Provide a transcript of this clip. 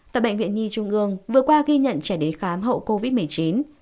tại bệnh viện nhi trung ương vừa qua ghi nhận trẻ đến khám hậu covid một mươi chín